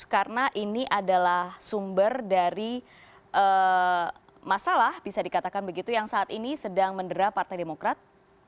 karena ini adalah sumber dari masalah yang saat ini sedang mendera partai demokrat